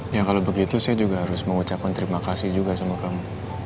ya kalau begitu saya juga harus mengucapkan terima kasih juga sama kamu